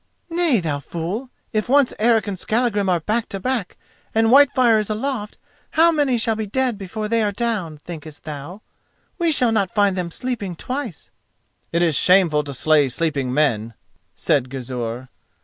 "Nay, thou fool; if once Eric and Skallagrim are back to back, and Whitefire is aloft, how many shall be dead before they are down, thinkest thou? We shall not find them sleeping twice." "It is shameful to slay sleeping men," said Gizur.